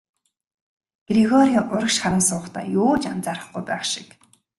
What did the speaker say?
Грегори урагш харан суухдаа юу ч анзаарахгүй байх шиг.